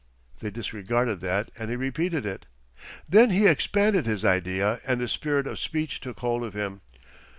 They disregarded that and he repeated it. Then he expanded his idea and the spirit of speech took hold of him.